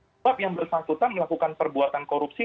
sebab yang bersangkutan melakukan perbuatan korupsi